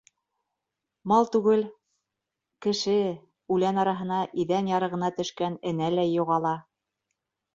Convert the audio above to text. Мал түгел, кеше үлән араһына, иҙән ярығына төшкән энәләй юғала!